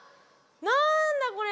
なんだこれ。